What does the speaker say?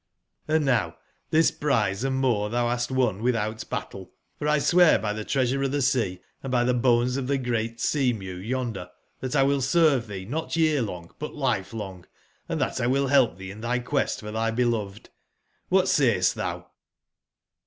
Hnd now tbis prize and more tbou bast won witbout battle; fori swear by tbe ^Treasure of tbe Sea, and by tbe bones of tbe great Sea/mew yonder, tbati will serve tbeenotyear/ long but life/long, and tbat 1 will belp tbee in tby q uest f or tby beloved, ^bat sayest tbou